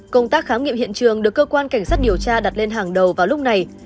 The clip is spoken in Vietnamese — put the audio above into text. công tác khám nghiệm hiện trường được cơ quan cảnh sát điều tra đặt lên hàng đầu vào lúc này